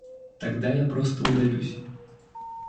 Тогда я просто удалюсь.